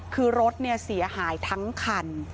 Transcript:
คือรถเนี่ยเสียหายทั้งคัน